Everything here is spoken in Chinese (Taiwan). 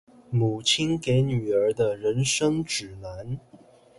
母親給女兒的人生指南